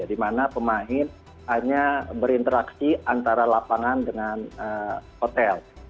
di mana pemain hanya berinteraksi antara lapangan dengan hotel